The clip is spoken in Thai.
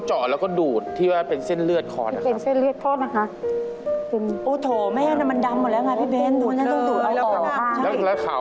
ใช่ครับกี่ปีแล้วแม่